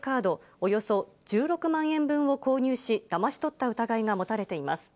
およそ１６万円分を購入し、だまし取った疑いが持たれています。